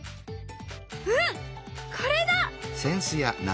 うんこれだ！